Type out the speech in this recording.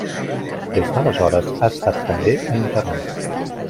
Des d'aleshores ha estat també a internet.